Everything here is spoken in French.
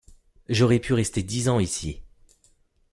J'aurais pu rester dix ans ici...